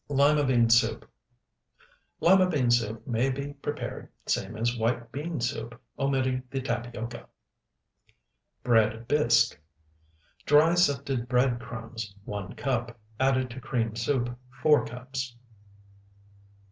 LIMA BEAN SOUP Lima bean soup may be prepared same as white bean soup, omitting the tapioca. BREAD BISQUE Dry sifted bread crumbs, one cup, added to cream soup, four cups.